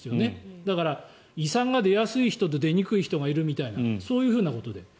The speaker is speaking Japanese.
だから、胃酸が出やすい人と出にくい人がいるみたいなそういうことで。